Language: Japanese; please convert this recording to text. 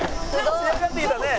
仕上がってきたね。